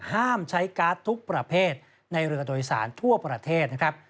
ห้ามใช้การ์ดทุกประเภทในเรือโดยสารทั่วประเทศนะครับ